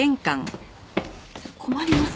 困ります